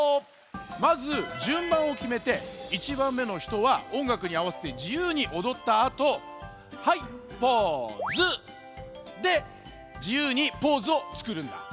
まずじゅんばんをきめて１ばんめのひとはおんがくにあわせてじゆうにおどったあと「はいポーズ！」でじゆうにポーズをつくるんだ。